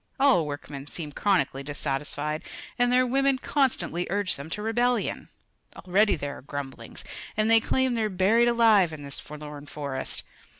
All workmen seem chronically dissatisfied, and their women constantly urge them to rebellion. Already there are grumblings, and they claim they're buried alive in this forlorn forest.